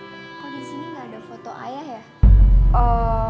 kak kok disini gak ada foto ayah ya